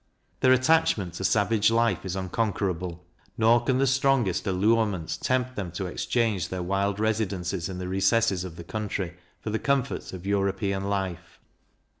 Their attachment to savage life is unconquerable; nor can the strongest allurements tempt them to exchange their wild residences in the recesses of the country, for the comforts of European life.